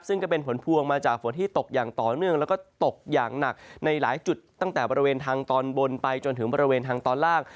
ซึ่งก็เป็นผลพวงมาจากฝนที่ตกอย่างต่อเนื่องแล้วก็ตกอย่างหนักในหลายจุดตั้งแต่บริเวณทางตอนบนไปจนถึงบริเวณทางตอนล่าง